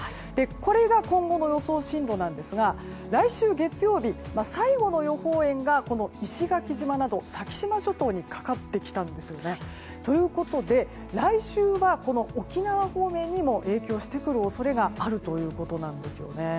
これが今後の予想進路なんですが来週月曜日、最後の予報円が石垣島など先島諸島にかかってきたんですね。ということで、来週はこの沖縄方面にも影響してくる恐れがあるということなんです。